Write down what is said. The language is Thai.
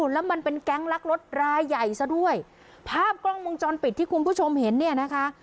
แล้วมันเป็นแก๊งลักรถรายใหญ่ซะด้วยภาพกล้องวงจรปิดที่คุณผู้ชมเห็นเนี่ยนะคะ